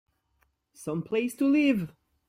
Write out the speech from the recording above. Some place to live!